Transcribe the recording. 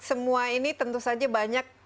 semua ini tentu saja banyak